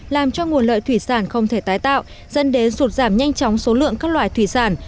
làm cho nguồn lợi thủy sản không thể tái tạo dẫn đến sụt giảm nhanh chóng số lượng các loài thủy sản